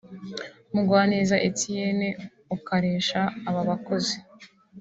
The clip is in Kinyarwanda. Mugwaneza Ethienne ukaresha aba bakozi